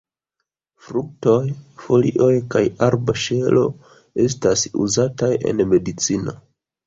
Fruktoj, folioj kaj arboŝelo estas uzataj en medicino.